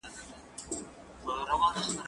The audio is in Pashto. زه د ښوونځی لپاره امادګي نيولی دی!.